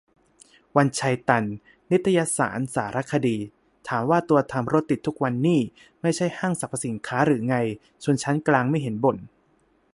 วันชัย ตัน นิตยสารสารคดี ถามว่า ตัวทำรถติดทุกวันนี่ ไม่ใช่ห้างสรรพสินค้าหรือไง ชนชั้นกลางไม่เห็นบ่น